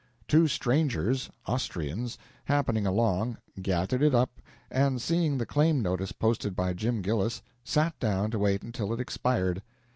Two strangers, Austrians, happening along, gathered it up and, seeing the claim notice posted by Jim Gillis, sat down to wait until it expired.